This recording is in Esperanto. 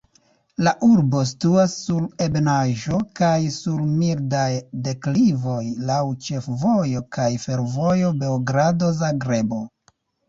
La urbo situas sur ebenaĵo kaj sur mildaj deklivoj, laŭ ĉefvojo kaj fervojo Beogrado-Zagrebo.